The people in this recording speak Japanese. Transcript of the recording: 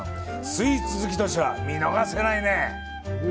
スイーツ好きとしては見逃せないね。